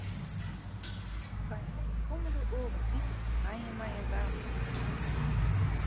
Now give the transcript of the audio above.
Wy hawwe de kommende oardel wike te krijen mei in waarmtegolf.